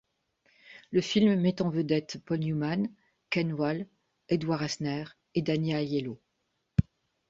Le film met en vedette Paul Newman, Ken Wahl, Edward Asner et Danny Aiello.